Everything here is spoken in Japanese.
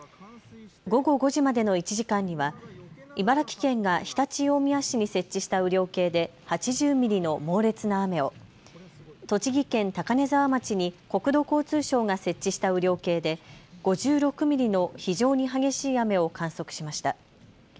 午後５時までの１時間には茨城県が常陸大宮市に設置した雨量計で８０ミリの猛烈な雨を、栃木県高根沢町に国土交通省が設置した雨量計で５６ミリの非常に激しい雨を観測しました。